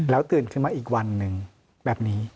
ตื่นขึ้นมาอีกวันหนึ่งแบบนี้